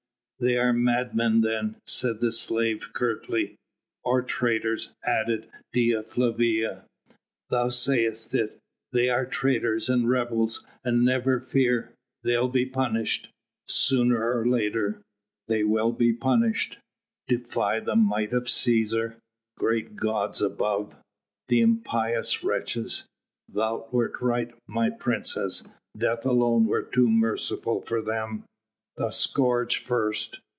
"They are madmen then," said the slave curtly. "Or traitors," added Dea Flavia. "Thou sayest it; they are traitors and rebels, and never fear, they'll be punished ... sooner or later, they will be punished.... Defy the might of Cæsar?... Great gods above! the impious wretches! thou wert right, my princess! Death alone were too merciful for them.... The scourge first